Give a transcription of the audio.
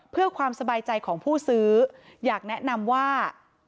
เพื่อความสบายใจของผู้ซื้ออยากแนะนำว่า